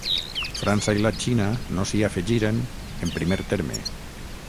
França i la Xina no s'hi afegiren, en primer terme.